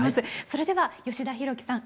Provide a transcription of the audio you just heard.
それでは吉田ひろきさん